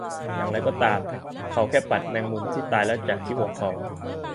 อย่างไรก็ตาม เขาแค่ปัดแมงมุมที่ตายแล้วจากคิ้วของเขา